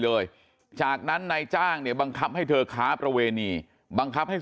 เลยจากนั้นนายจ้างเนี่ยบังคับให้เธอค้าประเวณีบังคับให้